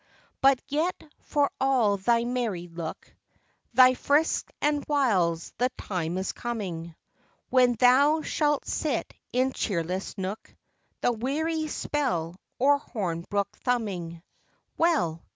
But yet, for all thy merry look, Thy frisks and wiles, the time is coming, When thou shalt sit in cheerless nook, The weary spell or hornbook thumbing. Well!